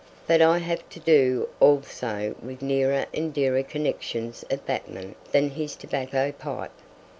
But I have to do also with nearer and dearer connections of Batman than his tobacco pipe.